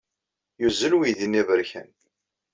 Yuzzel weydi-nni aberkan.